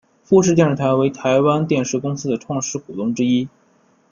富士电视台为台湾电视公司的创始股东之一。